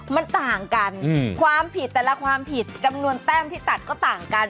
มันต่างกันความผิดแต่ละความผิดจำนวนแต้มที่ตัดก็ต่างกัน